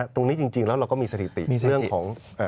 ตรงนี้จริงแล้วเราก็มีสถิติเรื่องของ